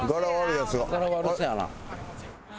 ガラ悪そうやな。